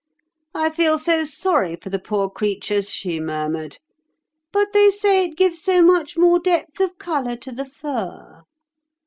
'I feel so sorry for the poor creatures,' she murmured; 'but they say it gives so much more depth of colour to the fur.